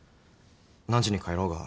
何時に帰ろうが